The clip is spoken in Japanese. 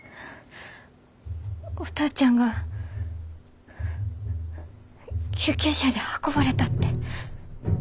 お父ちゃんが救急車で運ばれたって。